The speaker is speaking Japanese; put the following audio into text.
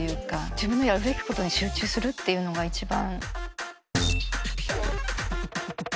自分のやるべきことに集中するっていうのが一番。